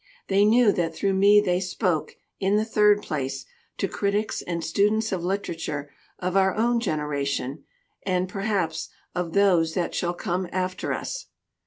They knew that through me they spoke, in the third place, to critics and students of literature of our own generation and, perhaps, of those that shall come after us.